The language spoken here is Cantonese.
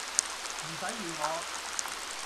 唔使預我